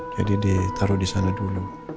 jadi ditaruh disana dulu